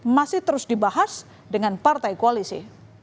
masih terus dibahas dengan partai koalisi